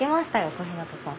小日向さん。